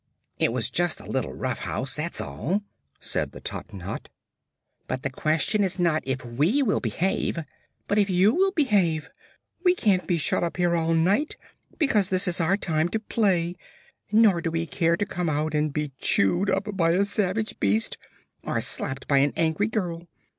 "It was just a little rough house, that's all," said the Tottenhot. "But the question is not if we will behave, but if you will behave? We can't be shut up here all night, because this is our time to play; nor do we care to come out and be chewed up by a savage beast or slapped by an angry girl.